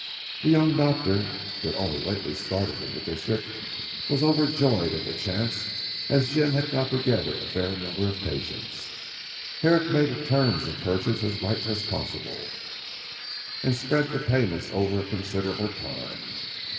The young doctor who had only lately started in the district was overjoyed at the chance as Jim had got together a fair number of patients. Herrick made the terms of purchase as light as possible, and spread the payment over a considerable time.